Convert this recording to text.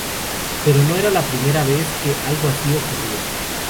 Pero no era la primera vez que algo así ocurría.